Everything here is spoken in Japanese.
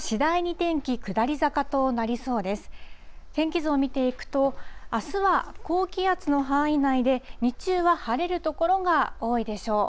天気図を見ていくと、あすは高気圧の範囲内で、日中は晴れる所が多いでしょう。